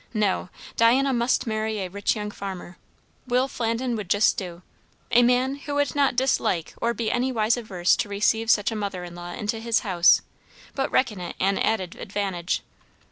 No, Diana must marry a rich young farmer; Will Flandin would just do; a man who would not dislike or be anywise averse to receive such a mother in law into his house, but reckon it an added advantage.